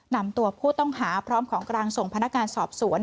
นำตัวผู้ต้องหาพร้อมของกลางส่งพนักงานสอบสวน